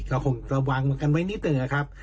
เราคงระวังกันไว้นิดหนึ่งนะครับ